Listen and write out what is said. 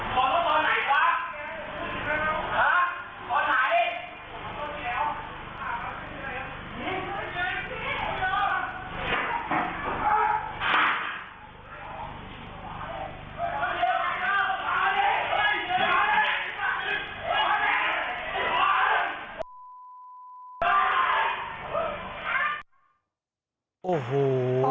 แล้วมันถ่ายรูปผมอยู่หรือเปล่า